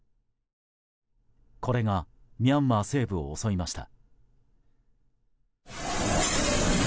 これがミャンマー西部を襲いました。